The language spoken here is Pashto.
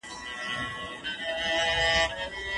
ډېر ړانده سړي به په ګڼ ځای کي ږیري ولري.